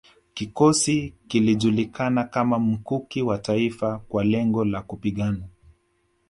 Kikosi kilijulikana kama Mkuki wa Taifa kwa lengo la kupigana